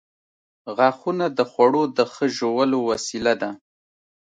• غاښونه د خوړو د ښه ژولو وسیله ده.